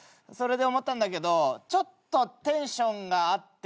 それで思ったんだけどちょっとテンションが合ってないかな。